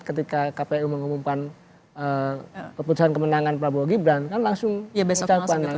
ketika kpu mengumumkan keputusan kemenangan pak ibu gibran kan langsung mengucapkan